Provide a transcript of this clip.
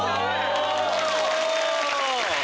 お！